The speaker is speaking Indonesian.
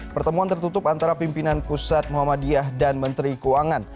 pertemuan tertutup antara pimpinan pusat muhammadiyah dan menteri keuangan